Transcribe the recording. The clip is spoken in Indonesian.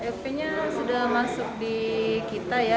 fp nya sudah masuk di kita ya